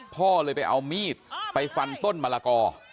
พ่อเลยไปเอามีดไปฟันต้นมะละกอ